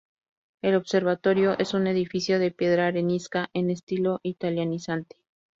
El observatorio es un edificio de piedra arenisca en estilo Italianizante.